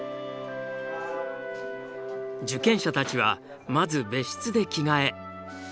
受験者たちはまず別室で着替え。